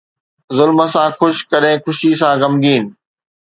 ظلم سان خوش، ڪڏهن خوشي سان غمگين